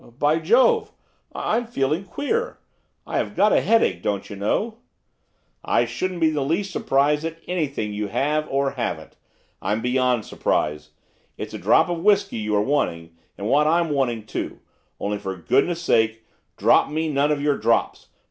'By Jove! I am feeling queer! I have got a headache, don't you know.' 'I shouldn't be in the least surprised at anything you have, or haven't, I'm beyond surprise. It's a drop of whisky you are wanting, and what I'm wanting too, only, for goodness sake, drop me none of your drops!